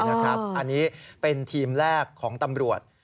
อันนี้เป็นทีมแรกของตำรวจ